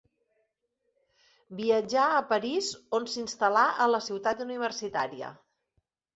Viatjà a París on s'instal·là a la Ciutat Universitària.